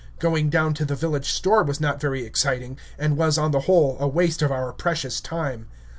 Going down to the village store was not very exciting, and was, on the whole, a waste of our precious time.